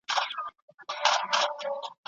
د ګلباغ سپرلی په زړه اره اره ده